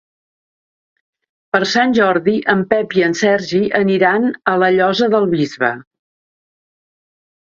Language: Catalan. Per Sant Jordi en Pep i en Sergi aniran a la Llosa del Bisbe.